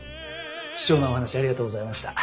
貴重なお話ありがとうございました。